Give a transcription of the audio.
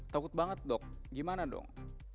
takut banget dok gimana dong